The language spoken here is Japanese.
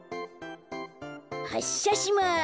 はっしゃします。